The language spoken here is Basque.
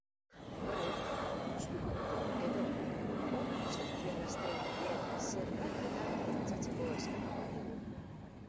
Ondoren, gustuko duten edo ondo sentiarazten dien zerbaitetan pentsatzeko eskatuko diegu.